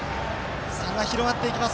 差が広がっていきます。